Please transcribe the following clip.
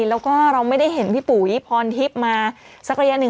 แล้วก็เราไม่ได้เห็นพี่ปุ๋ยพรทิพย์มาสักระยะหนึ่ง